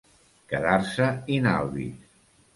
Quedar-se in albis.